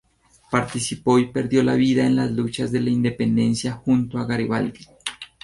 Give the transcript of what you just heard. Participó y perdió la vida en las luchas de la independencia junto a Garibaldi.